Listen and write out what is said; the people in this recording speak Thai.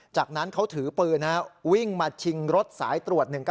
จากนั้นเขาถือปืนวิ่งมาชิงรถสายตรวจ๑๙